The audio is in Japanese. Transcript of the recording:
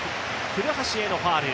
古橋へのファウル。